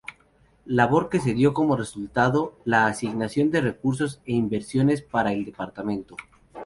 Labor que dio como resultado la asignación de recursos e inversiones para el departamento.